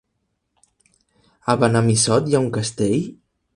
A Benimassot hi ha un castell?